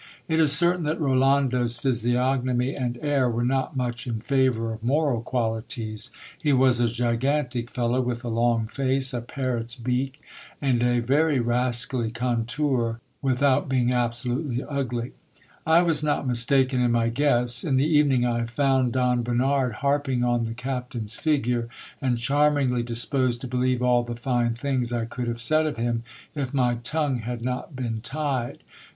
It is certain that Rolando's physiognomy and air were not much in favour of moral qualities. He was a gigantic fellow, with a long face, a parrot's beak, and a very rascally contour, without being absolutely ugly. I was not mistaken in my guess. In the evening I found Don Bernard harping on the captain's figure, and charmingly disposed to believe all the fine things I could have said of him, if my tongue had not been tied.